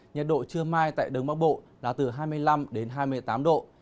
nhật độ trưa mai tại đường bắc bộ là từ hai mươi năm đến hai mươi tám độ